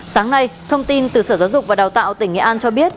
sáng nay thông tin từ sở giáo dục và đào tạo tỉnh nghệ an cho biết